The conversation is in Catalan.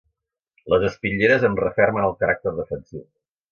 Les espitlleres en refermen el caràcter defensiu.